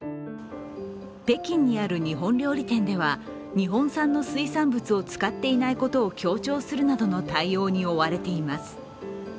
北京にある日本料理店では日本産の水産物を使っていないことを強調するなどの対応に追われています。